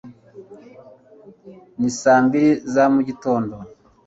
ni saa mbiri za mugitondo